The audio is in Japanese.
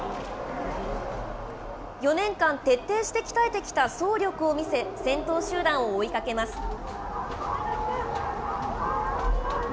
４年間、徹底して鍛えてきた走力を見せ、先頭集団を追いかけます。